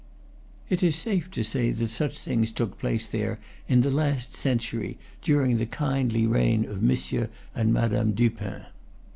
It is safe to say that such things took place there in the last century, during the kindly reign of Mon sieur and Madame Dupin.